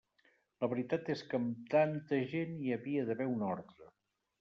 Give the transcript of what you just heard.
La veritat és que amb tanta gent hi havia d'haver un ordre.